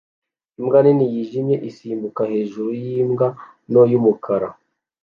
Imbwa nini yijimye isimbuka hejuru yimbwa nto y'umukara